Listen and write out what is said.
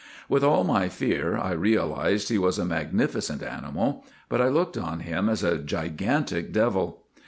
" With all my fear, I realized he was a mag nificent animal, but I looked on him as a gigantic devil.